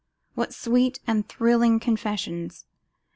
What sweet and thrilling confessions!